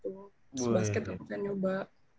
terus basket aku pengen nyoba